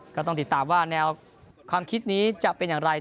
ก็ต้องติดตามว่าแนวความคิดนี้จะเป็นอย่างไร